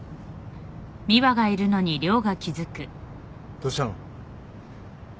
どうしたの？